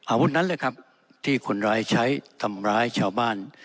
อาวุธนั้นเลยครับ